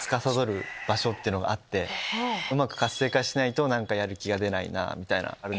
うまく活性化しないと何かやる気が出ないなぁみたいな。